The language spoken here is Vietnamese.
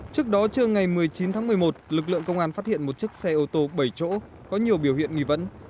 trước đó trưa ngày một mươi chín tháng một mươi một lực lượng công an phát hiện một chiếc xe ô tô bảy chỗ có nhiều biểu hiện nghi vấn